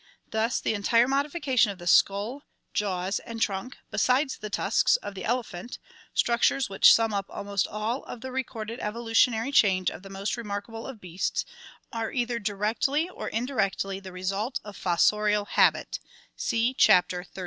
Thus the entire modifi cation of the skull, jaws, and trunk, besides the tusks, of the ele phant— structures which sum up almost all of the recorded evolu tionary change of the most remarkable of beasts — are either directly or indirectly the result of fossorial habit (see Chapter XXXIV).